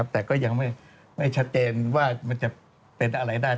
แต่ก็ยังไม่ชัดเจนว่ามันจะเป็นอะไรได้